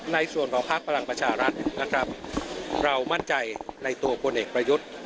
ในส่วนของภาคพลังประชารัฐนะครับเรามั่นใจในตัวพลเอกประยุทธ์